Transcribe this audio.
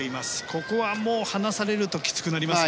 ここは離されるときつくなりますね。